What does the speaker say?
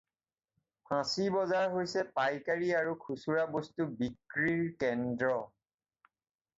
ফাঁচী বজাৰ হৈছে পাইকাৰী আৰু খুচুৰা বস্তু বিক্ৰীৰ কেন্দ্ৰ।